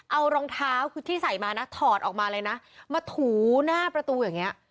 เอารองเท้าคือที่ใส่มานะถอดออกมาเลยนะมาถูหน้าประตูอย่างนี้